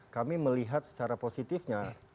kami melihat secara positifnya